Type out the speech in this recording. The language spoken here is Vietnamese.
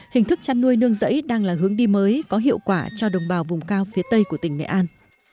hình thức chăn nuôi nương rẫy đang là hướng đi mới có hiệu quả cho đồng bào vùng cao phía tây của tỉnh nghệ an